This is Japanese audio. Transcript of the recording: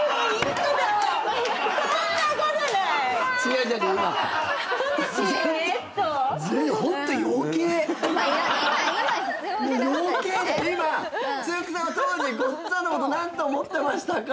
つんく♂さんは当時ごっつぁんのこと何と思ってましたか？